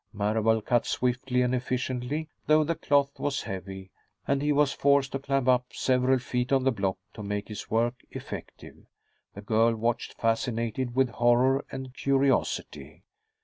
Marable cut swiftly and efficiently, though the cloth was heavy and he was forced to climb up several feet on the block to make his work effective. The girl watched, fascinated with horror and curiosity.